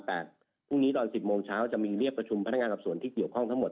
แต่พรุ่งนี้ตอน๑๐โมงเช้าจะมีเรียกประชุมพนักงานสอบส่วนที่เกี่ยวข้องทั้งหมด